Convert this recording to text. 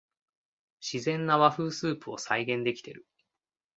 自然な和風スープを再現できてる